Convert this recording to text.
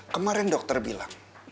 kemarin dokter bilang